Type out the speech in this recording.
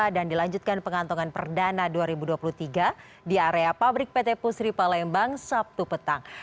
dan dilanjutkan pengantongan perdana dua ribu dua puluh tiga di area pabrik pt pusri palembang sabtu petang